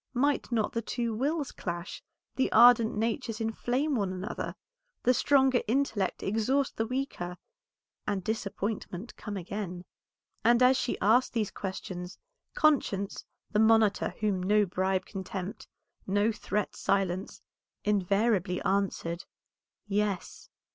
Might not the two wills clash, the ardent natures inflame one another, the stronger intellect exhaust the weaker, and disappointment come again? And as she asked these questions, conscience, the monitor whom no bribe can tempt, no threat silence, invariably answered "Yes."